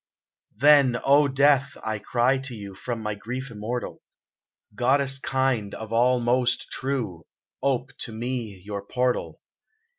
Then, O Death ! I cry to you From my grief immortal : Goddess kind — of all most true — Ope to me your portal